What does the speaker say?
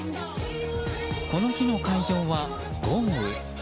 この日の会場は豪雨。